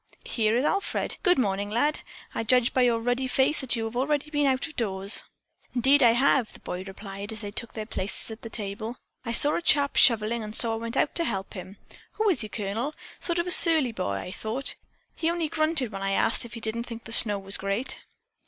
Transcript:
Here is Alfred. Good morning, lad, I judge by your ruddy face that you have already been out of doors." "Indeed I have," the boy replied as they took their places at the table. "I saw a chap shoveling and so I went out to help him. Who is he, Colonel? Sort of a surly boy, I thought. He only grunted when I asked if he didn't think the snow was great."